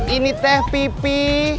ini teh pipi